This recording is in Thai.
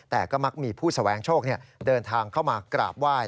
แต่ก็มักมีผู้แสวงโชคเดินทางเข้ามากราบไหว้